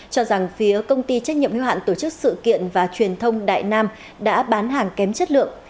cho rằng phía công ty trách nhiệm hiếu hạn tổ chức sự kiện và truyền thông đại nam đã bán hàng kém chất lượng